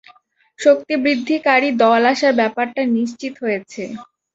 শক্তিবৃদ্ধিকারী দল আসার ব্যাপারটা নিশ্চিত হয়েছে।